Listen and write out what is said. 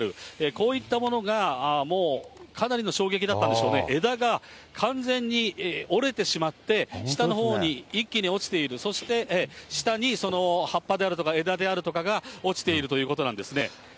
こういったものが、もうかなりの衝撃だったんでしょうね、枝が完全に折れてしまって、下のほうに一気に落ちている、そして下にその葉っぱであるとか、枝であるとかが落ちているということなんですね。